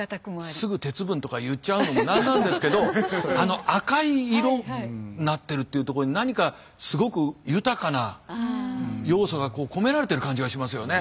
すぐ鉄分とか言っちゃうのもなんなんですけどあの赤い色になってるというところに何かすごく豊かな要素が込められてる感じがしますよね。